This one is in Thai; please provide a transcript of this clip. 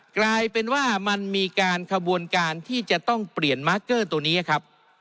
กลายเป็นว่ามันมีการขบวนการที่จะต้องเปลี่ยนมาร์คเกอร์ตัวนี้ครับ